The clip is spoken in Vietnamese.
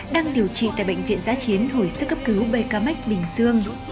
đang điều trị tại bệnh viện giã chiến hồi sức cấp cứu bkm bình dương